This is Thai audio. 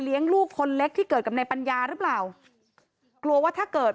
ลูกคนเล็กที่เกิดกับในปัญญาหรือเปล่ากลัวว่าถ้าเกิด